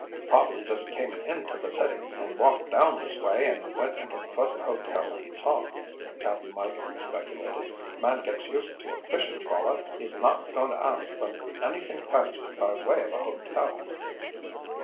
"Probably just came into the city and walked down this way and went into the first hotel he saw," Cap'n Mike speculated. "Man gets used to a fishing trawler, he's not going to ask for anything fancy by way of a hotel."